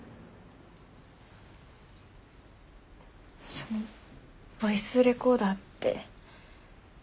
そのボイスレコーダーって。